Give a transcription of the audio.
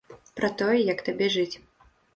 Пра тое, як табе жыць.